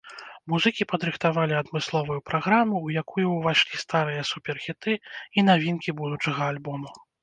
Музыкі падрыхтавалі адмысловую праграму, у якую ўвайшлі старыя супер-хіты і навінкі будучага альбому.